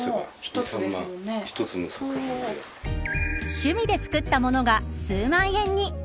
趣味で作ったものが数万円に。